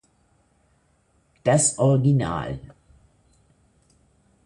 Das Original.